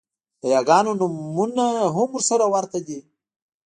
د یاګانو نومونه هم سره ورته دي